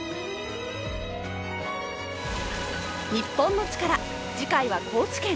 『日本のチカラ』次回は高知県。